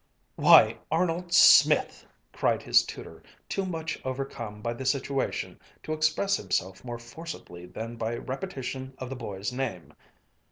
"Why, Arnold Smith!" cried his tutor, too much overcome by the situation to express himself more forcibly than by a repetition of the boy's name.